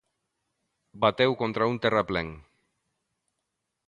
Bateu contra un terraplén.